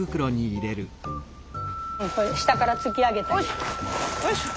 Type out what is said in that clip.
これ下から突き上げたらいい。